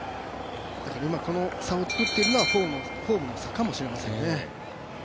この差をつくっているのはフォームの差かもしれませんね。